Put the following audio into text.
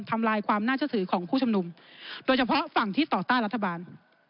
ทำลายความน่าเชื่อถือของผู้ชุมนุมโดยเฉพาะฝั่งที่ต่อต้านรัฐบาล